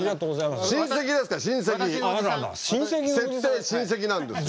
設定親戚なんですよ。